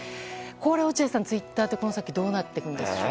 これは落合さん、ツイッターでこの先どうなっていくんですか？